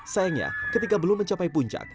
sayangnya ketika belum mencapai puncak